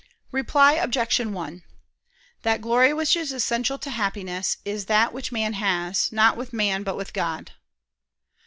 Reply Obj. 1: That glory which is essential to Happiness, is that which man has, not with man but with God.